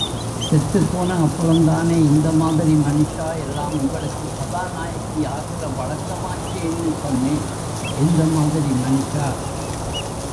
செத்துப்போன அப்புறம்தானே இந்த மாதிரி மனுஷா எல்லாம் உங்களுக்கு கதாநாயகி ஆகிற வழக்கமாகச்சேன்னு சொன்னேன்... எந்த மாதிரி மனுஷா?